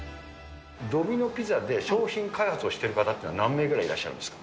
ドミノ・ピザで商品開発をしている方っていうのは何名ぐらいいらっしゃるんですか。